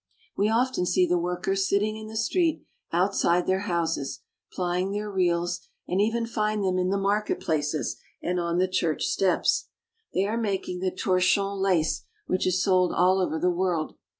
We often see the workers sitting in the street outside their houses, plying their reels, and even find them in the market places and on the church steps. They are making the torchon lace which is sold all over the world.